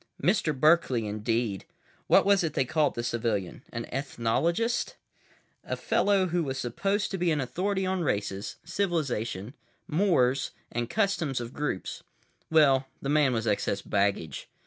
Mister Berkeley, indeed. What was it they called the civilian—an ethnologist? A fellow who was supposed to be an authority on races, civilizations, mores and customs of groups. Well, the man was excess baggage.